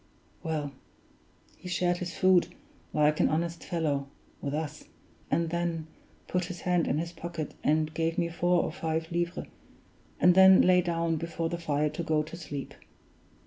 Well, he shared his food, like an honest fellow, with us; and then put his hand in his pocket, and gave me four or five livres, and then lay down before the fire to go to sleep.